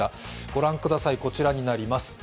ご覧ください、こちらになります。